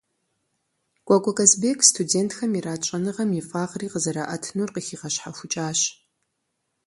Кӏуэкӏуэ Казбек студентхэм ират щӏэныгъэм и фӏагъри къызэраӏэтынур къыхигъэщхьэхукӏащ.